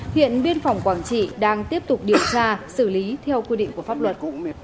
hiện biên phòng quảng trị đang tiếp tục điều tra xử lý theo quy định của pháp luật